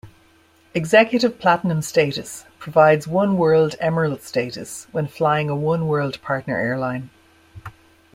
Executive Platinum status provides oneworld Emerald status when flying a oneworld partner airline.